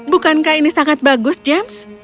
bukankah ini sangat bagus james